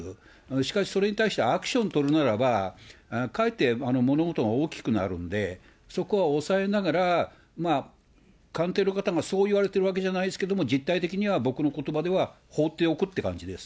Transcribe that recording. しかしそれに対してアクション取るならば、かえって物事が大きくなるんで、そこはおさえながら、官邸の方がそう言われてるわけじゃないですけども、実態的には、僕のことばではほうっておくって感じです。